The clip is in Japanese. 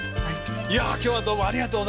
いや今日はどうもありがとうございました！